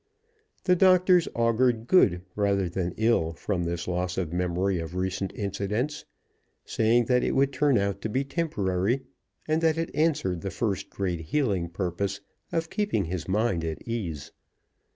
The doctors augured good rather than ill from this loss of memory of recent incidents, saying that it would turn out to be temporary, and that it answered the first great healing purpose of keeping his mind at ease.